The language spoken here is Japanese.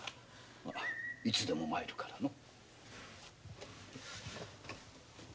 いつでも参るからの。